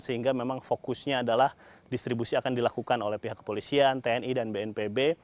sehingga memang fokusnya adalah distribusi akan dilakukan oleh pihak kepolisian tni dan bnpb